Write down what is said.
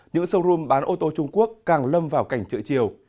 những showroom bán ô tô trung quốc càng lâm vào cảnh trợ chiều